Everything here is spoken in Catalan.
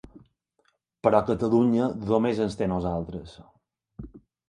Però Catalunya només ens té a nosaltres.